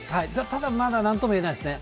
ただまだなんとも言えないですね。